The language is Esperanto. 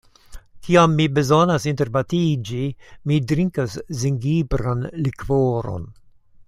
Kiam mi bezonas interbatiĝi, mi drinkas zingibran likvoron.